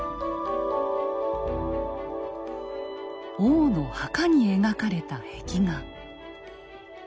王の墓に描かれた壁画。